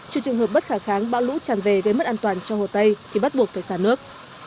trừ trường hợp bất khả kháng bão lũ tràn về gây mất an toàn cho hồ tây thì bắt buộc phải xả nước